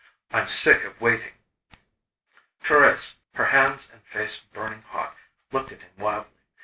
"I'm sick of waiting." Thérèse, her hands and face burning hot, looked at him wildly.